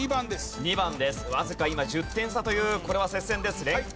わずか今１０点差というこれは接戦です。